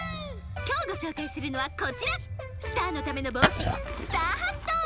きょうごしょうかいするのはこちらスターのためのぼうしスターハット！